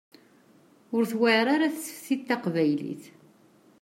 Ur tewɛir ara tseftit taqbaylit.